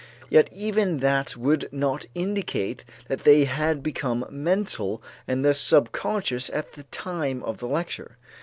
Yet even that would not indicate that they had become mental and thus subconscious at the time of the lecture.